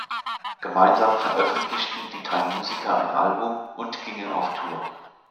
Gemeinsam veröffentlichten die drei Musiker ein Album und gingen auf Tour.